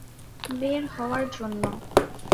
বের হওয়ার জন্য?